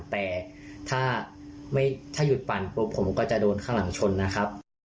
แต่ถ้าหยุดปั่นปุ๊บผมก็จะโดนข้างหลังชนนะครับ